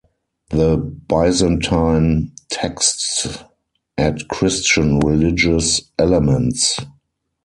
The Byzantine texts add Christian religious elements.